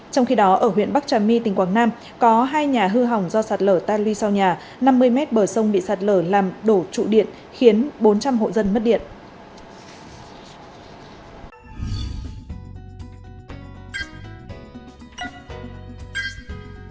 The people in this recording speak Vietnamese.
trong khi đó ở huyện bắc trà my tỉnh quảng nam có hai nhà hư hỏng do sạt lở tan ly sau nhà năm mươi m bờ sông bị sạt lở làm đổ trụ điện khiến bốn trăm linh hộ dân mất điện